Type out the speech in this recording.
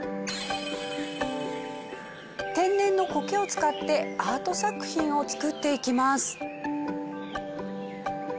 天然の苔を使ってアート作品を作っていきます。